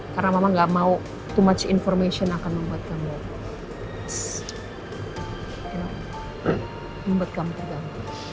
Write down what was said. karena mama gak mau too much information akan membuat kamu tergantung